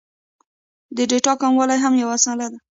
د ډېټا کموالی هم یو مسئله ده